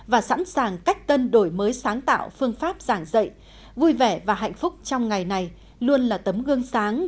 và sẵn sàng cách tân đổi mới sáng tạo phương pháp giảng dạy vui vẻ và hạnh phúc trong ngày này luôn là tấm gương sáng